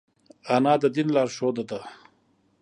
انا د دین لارښوده ده